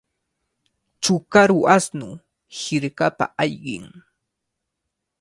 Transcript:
Chukaru ashnu hirkapa ayqin.